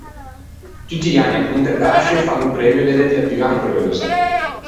Tutti i anni à Pontedasce fan o premio de lettiatua in preusa.